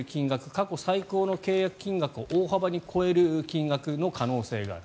過去最高の契約金額を大幅に超える金額の可能性がある。